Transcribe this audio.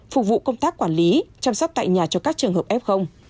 phục vụ công tác quản lý chăm sóc tại nhà cho các trường hợp f